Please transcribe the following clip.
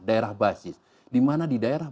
daerah basis dimana di daerah